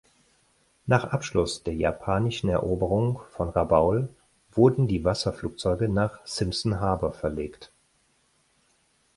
Nach Abschluss der japanischen Eroberung von Rabaul wurden die Wasserflugzeuge nach Simpson Harbour verlegt.